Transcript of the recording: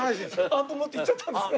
アンプ持っていっちゃったんですか？